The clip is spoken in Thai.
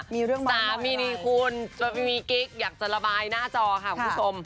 รู้สึกว่าสามีนีคุณมีกิ๊กอยากจะระบายหน้าจอของคุณผู้ชม